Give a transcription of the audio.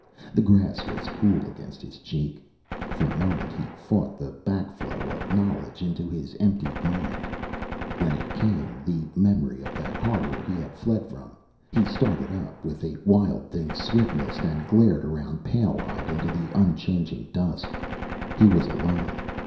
The grass was cool against his cheek. For a moment he fought the back flow of knowledge into his emptied mind. When it came, the memory of that horror he had fled from, he started up with a wild thing's swiftness and glared around pale eyed into the unchanging dusk. He was alone.